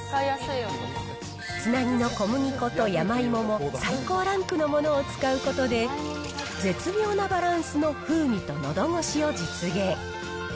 つなぎの小麦粉と山芋も最高ランクのものを使うことで、絶妙なバランスの風味とのど越しを実現。